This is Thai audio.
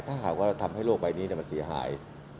ถ้าหากว่าเราทำให้โลกใบนี้มันเสียหาย